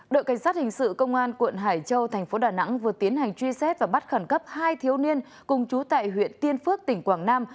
đội cảnh sát hình sự công an quận hải châu thành phố đà nẵng vừa tiến hành truy xét và bắt khẩn cấp hai thiếu niên cùng chú tại huyện tiên phước tỉnh quảng nam